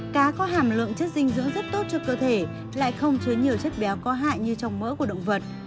cá có hàm lượng chất dinh dưỡng rất tốt cho cơ thể lại không chứa nhiều chất béo có hại như trong mỡ của động vật